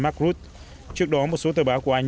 mark rutte trước đó một số tờ báo của anh